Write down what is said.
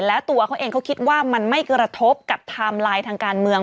แล้วตัวเขาเองเขาคิดว่ามันไม่กระทบกับไทม์ไลน์ทางการเมือง